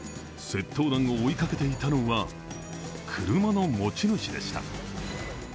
窃盗団を追いかけていたのは、車の持ち主でした。